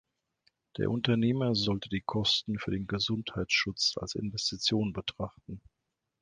Der Unternehmer sollte die Kosten für den Gesundheitsschutz als Investition betrachten.